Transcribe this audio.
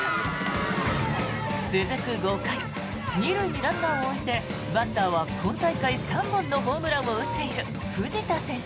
続く５回２塁にランナーを置いてバッターは今大会３本のホームランを放っている藤田選手。